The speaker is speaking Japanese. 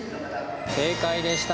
正解でした。